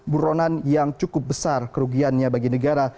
buronan yang cukup besar kerugiannya bagi negara